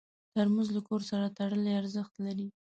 ترموز له کور سره تړلی ارزښت لري.